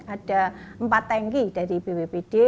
ada empat tanki dari bppd